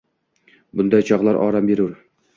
Bunday chog’lar orom berur